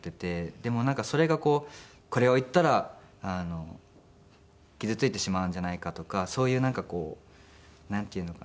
でもなんかそれがこうこれを言ったら傷ついてしまうんじゃないかとかそういうなんかこうなんていうのかな。